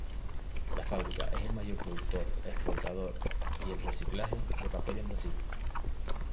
La fábrica es el mayor productor, exportador y el reciclaje de papel en Brasil.